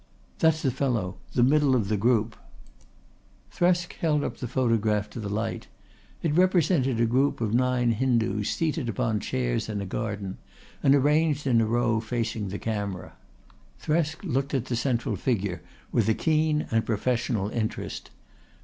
"That's the fellow the middle one of the group." Thresk held up the photograph to the light. It represented a group of nine Hindus seated upon chairs in a garden and arranged in a row facing the camera. Thresk looked at, the central figure with a keen and professional interest.